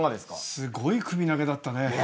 すごい首投げだったね。